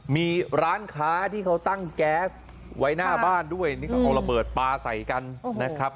มีร้านค้าที่เขาตั้งแก๊สไว้หน้าบ้านด้วยนี่ก็เอาระเบิดปลาใส่กันนะครับ